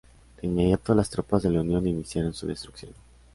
De inmediato las tropas de la Unión iniciaron su destrucción.